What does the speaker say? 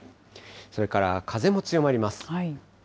それから風も強まります。